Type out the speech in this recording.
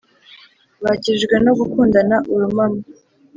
bakijijwe no gukundana urumamo.